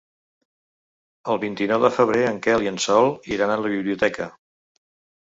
El vint-i-nou de febrer en Quel i en Sol iran a la biblioteca.